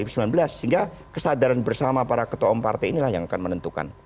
sehingga kesadaran bersama para ketua umum partai inilah yang akan menentukan